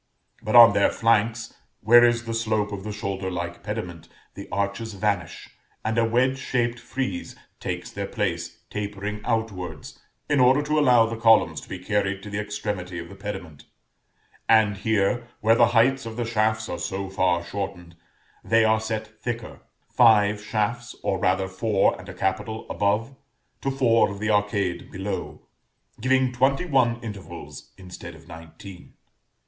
But on their flanks, where is the slope of the shoulder like pediment, the arches vanish, and a wedge shaped frieze takes their place, tapering outwards, in order to allow the columns to be carried to the extremity of the pediment; and here, where the heights of the shafts are so far shortened, they are set thicker; five shafts, or rather four and a capital, above, to four of the arcade below, giving twenty one intervals instead of nineteen.